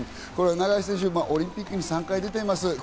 永井選手、オリンピックに３回出ています。